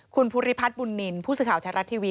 คุณพุทธิพัฒน์บุญนินผู้สื่อข่าวชาติรัตน์ทีวี